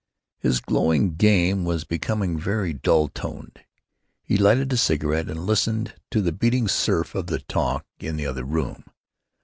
His glowing game was becoming very dull toned. He lighted a cigarette and listened to the beating surf of the talk in the other room.